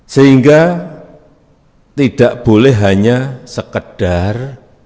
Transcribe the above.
sehingga tidak boleh hanya sekedar